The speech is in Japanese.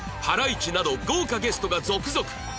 ハライチなど豪華ゲストが続々